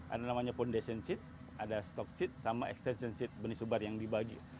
ada namanya foundation seat ada stock seat sama extension seat benih subar yang dibagi